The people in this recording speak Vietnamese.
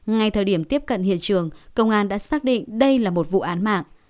ngay thời điểm tiếp cận hiện trường công an đã xác định đây là một vụ án mạng